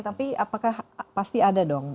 tapi apakah pasti ada dong